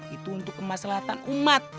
itu untuk kemaslahan umat